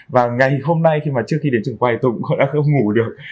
và ngày hôm nay khi mà trước khi đến trường quay tôi cũng đã không ngủ được